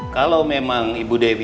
kalau memang ibu dewi berada di rumah sakit